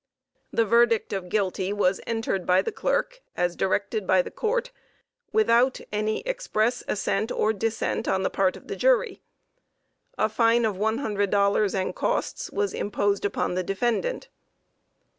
The verdict of guilty was entered by the clerk, as directed by the court, without any express assent or dissent on the part of the jury. A fine of $100, and costs, was imposed upon the defendant.